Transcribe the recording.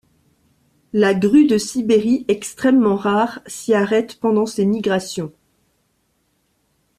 La grue de Sibérie, extrêmement rare, s'y arrête pendant ses migrations.